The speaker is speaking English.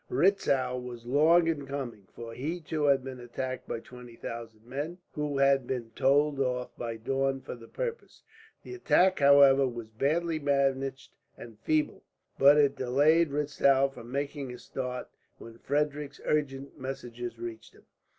Retzow was long in coming, for he too had been attacked by twenty thousand men, who had been told off by Daun for the purpose. The attack, however, was badly managed and feeble; but it delayed Retzow from making a start, when Frederick's urgent messages reached him.